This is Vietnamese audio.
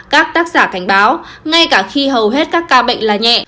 các tác giả cảnh báo ngay cả khi hầu hết các ca bệnh là nhẹ